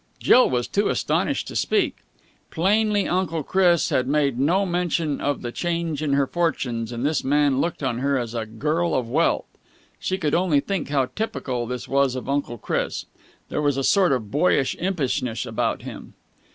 Jill was too astonished to speak. Plainly Uncle Chris had made no mention of the change in her fortunes, and this man looked on her as a girl of wealth. She could only think how typical this was of Uncle Chris. There was a sort of boyish impishness about him.